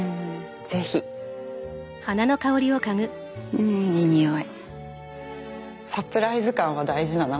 うんいい匂い。